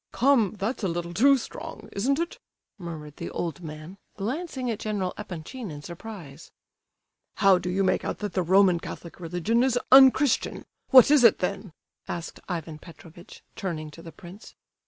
"Come, that's a little too strong, isn't it?" murmured the old man, glancing at General Epanchin in surprise. "How do you make out that the Roman Catholic religion is unchristian? What is it, then?" asked Ivan Petrovitch, turning to the prince.